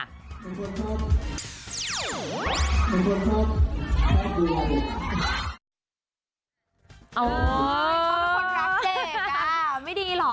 ข้อมึงรักเด็กอ่าไม่ดีหรอ